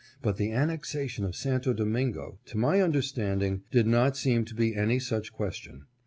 But the annexation of Santo Domingo, to my understanding, did not seem to be any such question.